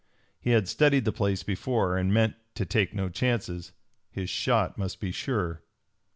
He had studied the place before, and meant to take no chances. His shot must be sure.